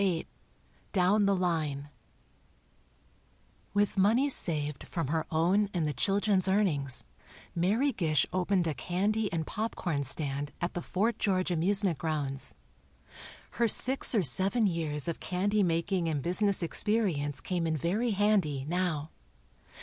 VIII "DOWN THE LINE" With money saved from her own and the children's earnings, Mary Gish opened a candy and popcorn stand at the Fort George amusement grounds. Her six or seven years of candy making and business experience came in very handy, now.